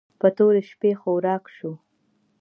په تورې شپې خوراک شو.